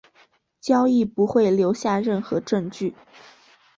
交易不会留下任何证据。